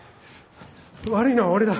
悪いのは俺だ。